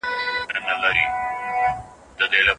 که همصنفي مرسته کړې وي نو کار نه پاته کیږي.